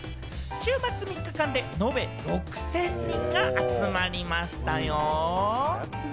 週末３日間で延べ６０００人が集まりましたよ。